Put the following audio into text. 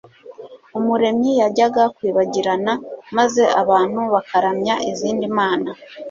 Umuremyi yajyaga kwibagirana maze abantu bakaramya izindi mana